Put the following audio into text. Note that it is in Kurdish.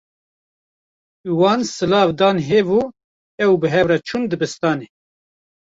Wan silav dan hev û ew bi hev re çûn dibistanê.